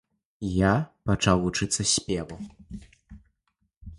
Я пачаў вучыцца спеву.